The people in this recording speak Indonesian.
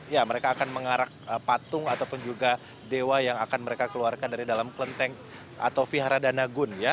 ya mereka akan mengarak patung ataupun juga dewa yang akan mereka keluarkan dari dalam kelenteng atau vihara danagun ya